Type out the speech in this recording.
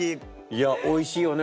いやおいしいよね